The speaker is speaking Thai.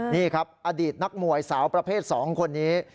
นี่ครับอดีตนักมวยสาวประเภท๒คนนี้